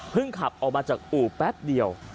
ขับออกมาจากอู่แป๊บเดียว